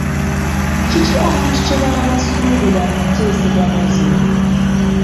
Kiki abantu kye baba basuubira mu nteeseganya zino?